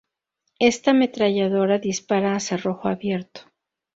Esta ametralladora dispara a cerrojo abierto.